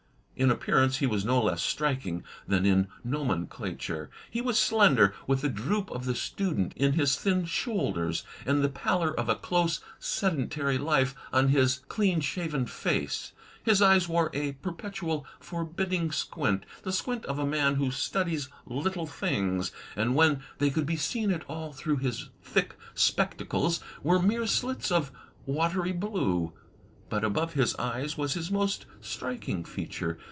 In appearance he was no less striking than in nomenclature. He was slender, with the droop of the student in his thin shoulders and the pallor of a close, sedentary life on his clean shaven face. His eyes wore a perpetual, forbidding squint — the squint of a man who studies little things — and when they could be seen at all through his thick spectacles, were mere slits of watery blue. But above his PORTRAITS 159 eyes was his most striking feature.